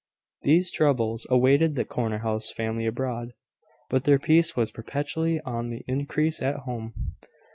These troubles awaited the corner house family abroad; but their peace was perpetually on the increase at home.